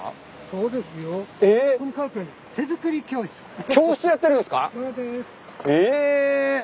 そうです。え？